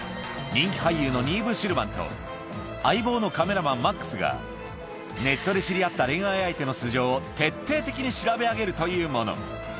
人気俳優のニーヴ・シュルマンと、相棒のカメラマン、マックスが、ネットで知り合った恋愛相手の素性を徹底的に調べ上げるというもの。